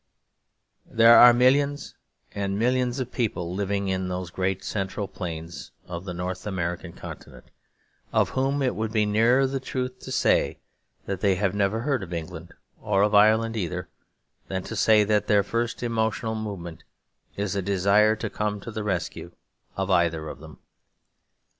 There are millions and millions of people living in those great central plains of the North American Continent of whom it would be nearer the truth to say that they have never heard of England, or of Ireland either, than to say that their first emotional movement is a desire to come to the rescue of either of them.